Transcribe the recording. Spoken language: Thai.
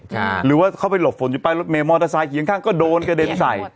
ใช่หรือว่าเขาไปหลบฝนอยู่ใต้รถเมย์มอเตอร์ไซคียงข้างก็โดนกระเด็นใส่